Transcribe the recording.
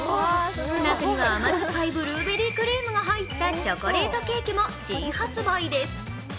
中には甘酸っぱいブルーベリークリームが入ったチョコレートケーキも新発売です。